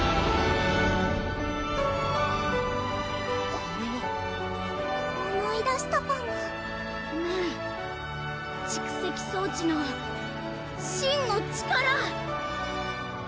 これは思い出したパムメン蓄積装置の真の力！